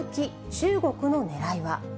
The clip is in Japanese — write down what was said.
中国のねらいは。